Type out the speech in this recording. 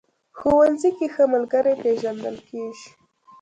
ښوونځی کې ښه ملګري پېژندل کېږي